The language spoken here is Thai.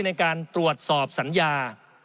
ในการตรวจสอบสัญญา